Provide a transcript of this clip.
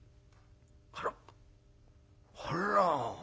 「あら！あら」